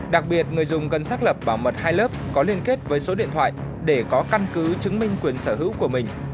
đặc biệt người dùng cần xác lập bảo mật hai lớp có liên kết với số điện thoại để có căn cứ chứng minh quyền sở hữu của mình